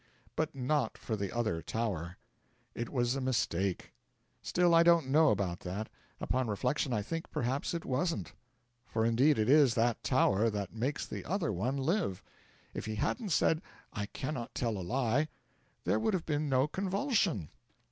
But not for the other Tower; it was a mistake. Still, I don't know about that; upon reflection I think perhaps it wasn't. For indeed it is that Tower that makes the other one live. If he hadn't said 'I cannot tell a lie' there would have been no convulsion.